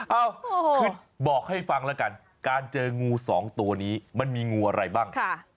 เอ้าคือบอกให้ฟังแล้วกันการเจองูสองตัวนี้มันมีงูอะไรบ้าง